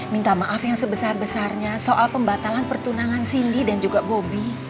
minta maaf yang sebesar besarnya soal pembatalan pertunangan cindy dan juga bobi